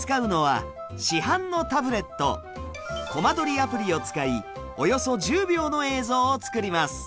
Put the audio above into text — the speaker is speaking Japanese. アプリを使いおよそ１０秒の映像を作ります。